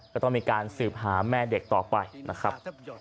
ก็ต้องมีการสืบหาแม่เด็กต่อไปนะครับ